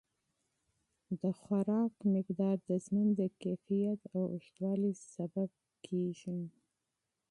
د غذا مقدار د ژوند د کیفیت او اوږدوالي سبب کیږي.